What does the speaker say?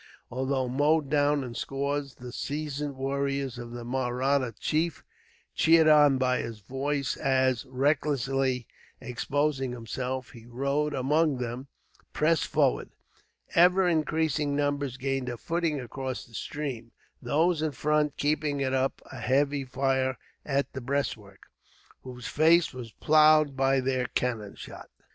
Although mowed down in scores, the seasoned warriors of the Mahratta chief, cheered on by his voice as, recklessly exposing himself, he rode among them, pressed forward. Ever increasing numbers gained a footing across the stream, those in front keeping up a heavy fire at the breastwork, whose face was ploughed by their cannon shot.